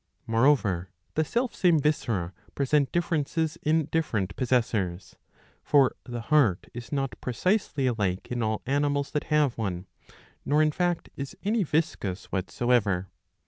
Moreover the self same viscera present differences in different possessors. For the heart is not precisely alike in all animals that have one ; nor in fact is any yiscus what soever.